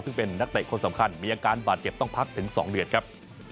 ซึ่งเป็นนักเตะคนสำคัญมีอาการบาดเจ็บต้องพักถึง๒เดือนครับ